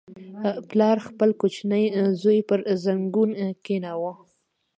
• پلار خپل کوچنی زوی پر زنګون کښېناوه.